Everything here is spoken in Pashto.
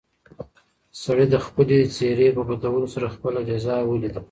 سړي د خپلې څېرې په بدلولو سره خپله جزا ولیده.